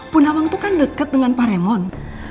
bu nawang tuh kan deket dengan pak raymond